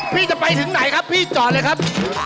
พี่จะไปถึงไหนครับพี่จอดเลยครับ